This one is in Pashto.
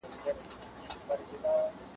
د ژوند سور څاڅکی مې ولویده په خوله کې